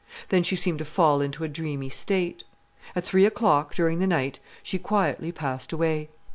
Then she seemed to fall into a dreamy state. At three o'clock, during the night, she quietly passed away.